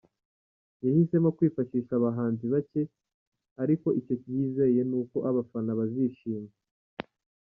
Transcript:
Yahisemo kwifashisha abahanzi bake, ariko icyo yizeye ni uko abafana bazishima.